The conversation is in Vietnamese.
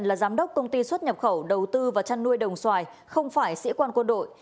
là giám đốc công ty xuất nhập khẩu đầu tư và chăn nuôi đồng xoài không phải sĩ quan quân đội